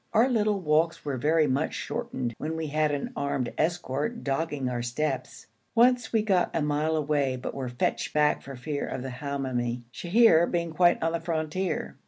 Our little walks were very much shortened when we had an armed escort dogging our steps. Once we got a mile away but were fetched back for fear of the Hamoumi, Sheher being quite on the frontier.